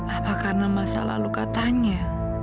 apa karena masalah lu katanya